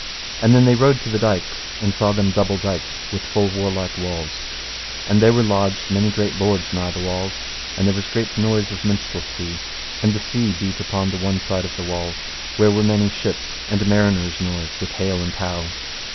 And then they rode to the dykes, and saw them double dyked with full warlike walls; and there were lodged many great lords nigh the walls; and there was great noise of minstrelsy; and the sea beat upon the one side of the walls, where were many ships and mariners' noise with "hale and how."